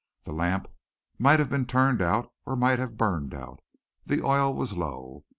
The lamp might have been turned out or might have burned out. The oil was low.